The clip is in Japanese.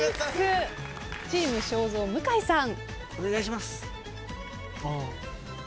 チーム正蔵向井さん。